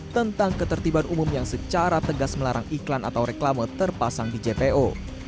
tentang ketertiban umum yang secara tegas melarang iklan atau reklame terpasang di jpo